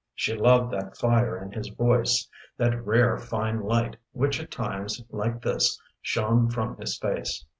She loved that fire in his voice, that rare, fine light which at times like this shone from his face.